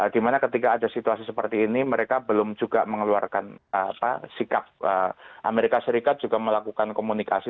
dimana ketika ada situasi seperti ini mereka belum juga mengeluarkan sikap amerika serikat juga melakukan komunikasi